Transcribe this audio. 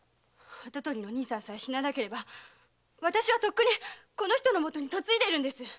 跡取りの兄さんさえ死ななければ私はとっくにこの人の元に嫁いでるんです！